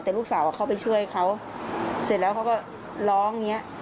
แต่ลูกสาวเขาไปช่วยเขาเสร็จแล้วเขาก็ร้องอย่างเงี้ย